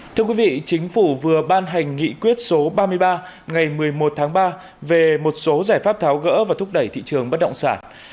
thưa quý vị chính phủ vừa ban hành nghị quyết số ba mươi ba ngày một mươi một tháng ba về một số giải pháp tháo gỡ và thúc đẩy thị trường bất động sản